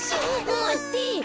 まって！